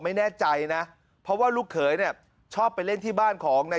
ไม่แน่ใจนะเพราะว่าลูกเขยเนี่ยชอบไปเล่นที่บ้านของนาย